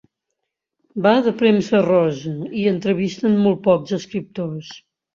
Va de premsa rosa i entrevisten molt pocs escriptors.